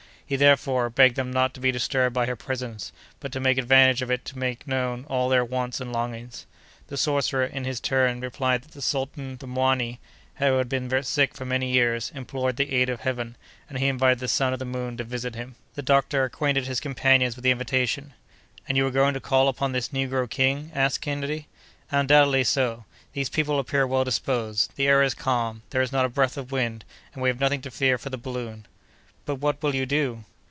He, therefore, begged them not to be disturbed by her presence, but to take advantage of it to make known all their wants and longings. The sorcerer, in his turn, replied that the sultan, the "mwani," who had been sick for many years, implored the aid of heaven, and he invited the son of the moon to visit him. The doctor acquainted his companions with the invitation. "And you are going to call upon this negro king?" asked Kennedy. "Undoubtedly so; these people appear well disposed; the air is calm; there is not a breath of wind, and we have nothing to fear for the balloon?" "But, what will you do?"